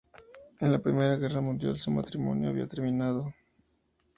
En la Primera Guerra Mundial su matrimonio había terminado.